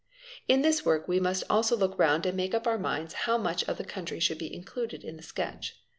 In this work we must also look round and make up our minds how much of the country should be included in the sketch.